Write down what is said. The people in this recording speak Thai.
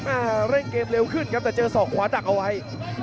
อ่าเร่งเกมเร็วขึ้นครับแต่เจอศอกขวาดักเอาไว้